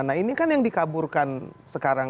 nah ini kan yang dikaburkan sekarang